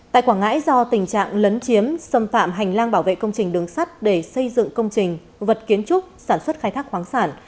tại quảng ngãi do tình trạng lấn chiếm xâm phạm hành lang bảo vệ công trình đường sắt để xây dựng công trình vật kiến trúc sản xuất khai thác khoáng sản